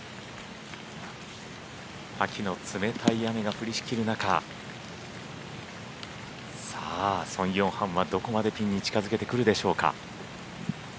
秋の冷たい雨が降りしきる中ソン・ヨンハンはどこまでピンに近づけてくるでしょうか。